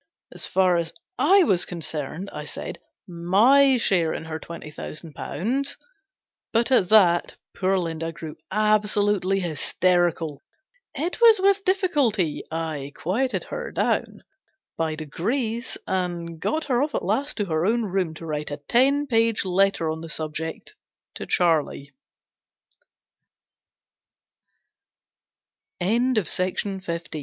As far as 7 was concerned, I said, my share in her twenty thousand pounds But at that poor Linda grew absolutely hysterical. It was with difficulty I quieted her down by GENERAL PASSAVANT'S WILL. 329 degrees, and got her off at last to her own room to write a ten page letter on the subject to "